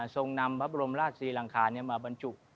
ทรงนำพระบรมราชศรีรางคารเนี่ยมาบรรจุ